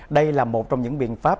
đây là một trong những biện pháp